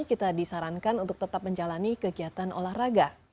kita disarankan untuk tetap menjalani kegiatan olahraga